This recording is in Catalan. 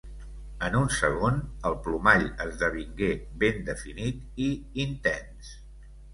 En un segon, el plomall esdevingué ben definit i intens.